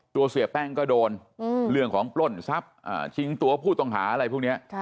เสียแป้งก็โดนเรื่องของปล้นทรัพย์ชิงตัวผู้ต้องหาอะไรพวกนี้